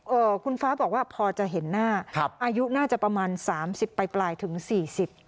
เอ่อคุณฟ้าบอกว่าพอจะเห็นหน้าครับอายุน่าจะประมาณสามสิบปลายปลายถึงสี่สิบ